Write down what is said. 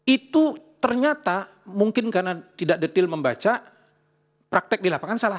itu ternyata mungkin karena tidak detil membaca praktek di lapangan salah